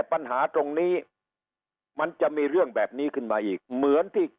ปัญหาตรงนี้มันจะมีเรื่องแบบนี้ขึ้นมาอีกเหมือนที่